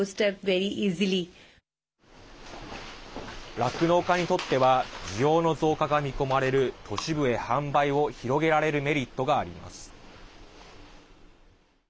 酪農家にとっては需要の増加が見込まれる都市部へ販売を広げられるメリットがあります。